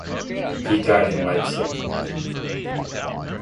He died in Leipzig.